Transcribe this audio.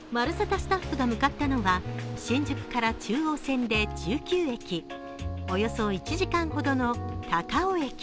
スタッフが向かったのは新宿から中央線で１９駅、およそ１時間ほどの高尾駅。